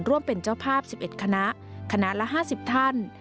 ร่วมเป็นเจ้าภาพ๑๑คณะคณะละ๕๐ท่าน